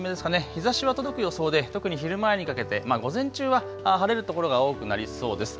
日ざしは届く予想で特に昼前にかけて午前中は晴れる所が多くなりそうです。